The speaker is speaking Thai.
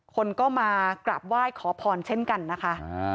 คนก็มากราบไหว้ขอพรเช่นกันนะคะ